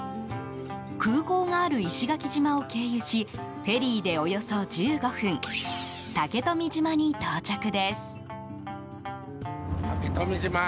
空港がある石垣島を経由しフェリーでおよそ１５分竹富島に到着です。